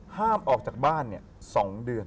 ห้ามออกจากบ้าน๒เดือน